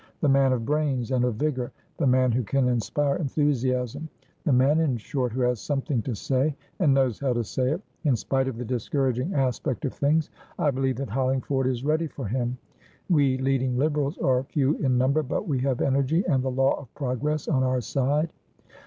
"The man of brains, and of vigour; the man who can inspire enthusiasm; the man, in short, who has something to say, and knows how to say it. In spite of the discouraging aspect of things, I believe that Hollingford is ready for him. We leading Liberals are few in number, but we have energy and the law of progress on our side."